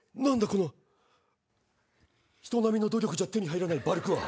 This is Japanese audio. この人並みの努力じゃ手に入らないバルクは。